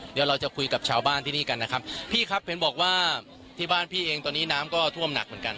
เดี๋ยวเราจะคุยกับชาวบ้านที่นี่กันนะครับพี่ครับเห็นบอกว่าที่บ้านพี่เองตอนนี้น้ำก็ท่วมหนักเหมือนกัน